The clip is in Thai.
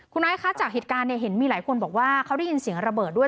คุณไอซ์คะจากเหตุการณ์เนี่ยเห็นมีหลายคนบอกว่าเขาได้ยินเสียงระเบิดด้วย